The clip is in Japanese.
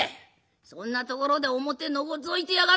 そんなところで表のぞいてやがんのは。